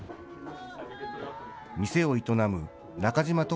店を営む中島瞳